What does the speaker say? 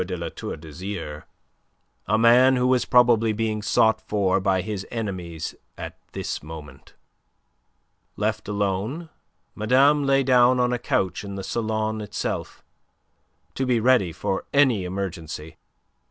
de La Tour d'Azyr, a man who was probably being sought for by his enemies at this moment. Left alone, madame lay down on a couch in the salon itself, to be ready for any emergency.